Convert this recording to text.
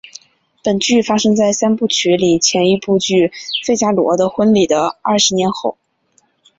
本剧发生在三部曲里前一部剧费加罗的婚礼的二十年后。